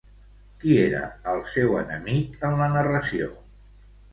Qui era el seu enemic en la narració?